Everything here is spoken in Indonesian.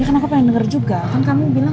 ya kan aku pengen denger juga kan kamu bilang